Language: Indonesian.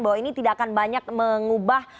bahwa ini tidak akan banyak mengubah